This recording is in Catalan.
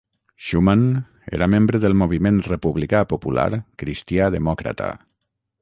Schumann era membre del Moviment Republicà Popular cristià demòcrata.